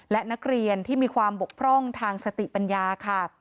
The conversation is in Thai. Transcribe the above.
และนักเรียนที่มีความบกพร่องทางสติปัญญาค่ะ